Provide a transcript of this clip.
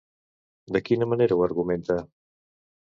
De quina manera ho argumenta?